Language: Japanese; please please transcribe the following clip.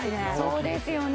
そうですよね